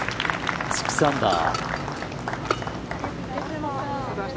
６アンダー。